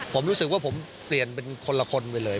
ผมรู้สึกว่าผมเปลี่ยนเป็นคนละคนไปเลย